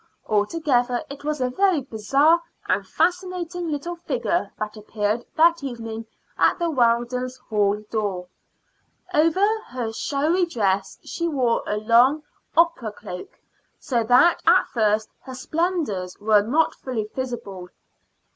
Altogether it was a very bizarre and fascinating little figure that appeared that evening at the Weldons' hall door. Over her showy dress she wore a long opera cloak, so that at first her splendors were not fully visible.